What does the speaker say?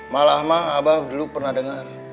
malah mah abah dulu pernah dengar